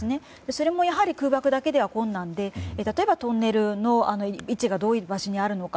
それも、空爆だけでは困難で例えばトンネルの位置がどういう場所にあるのか